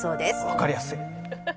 「わかりやすい」